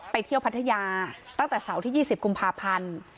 เที่ยวพัทยาตั้งแต่เสาร์ที่๒๐กุมภาพันธ์